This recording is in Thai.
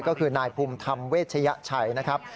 ก็คือนายภูมิธรรมเวชยชัยนะครับ